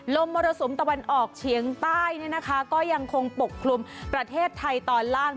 มรสุมตะวันออกเฉียงใต้ก็ยังคงปกคลุมประเทศไทยตอนล่าง